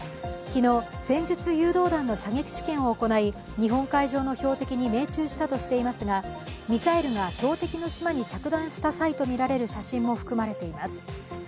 昨日、戦術誘導弾の射撃試験を行い日本海上の標的に命中したとしていますがミサイルが標的の島に着弾した際とみられる写真も含まれています。